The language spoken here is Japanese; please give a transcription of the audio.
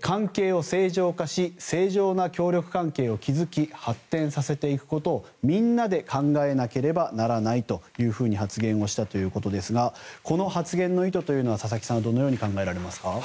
関係を正常化し正常な協力関係を築き発展させていくことをみんなで考えなければならないと発言をしたということですがこの発言の意図というのは佐々木さん、どのように考えられますか？